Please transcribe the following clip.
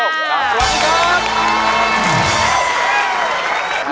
สวัสดีครับ